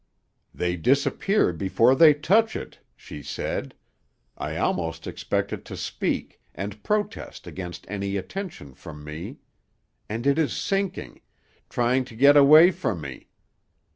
"'They disappear before they touch it!' she said. 'I almost expect it to speak, and protest against any attention from me. And it is sinking; trying to get away from me!